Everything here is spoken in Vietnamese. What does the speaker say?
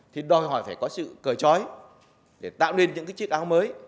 thì đòi hỏi phải có sự cờ chói để tạo nên những cái chiếc áo mới